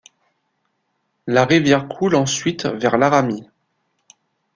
La rivière coule ensuite vers Laramie.